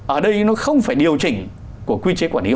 ở đây nó không phải điều chỉnh của quy chế quản lý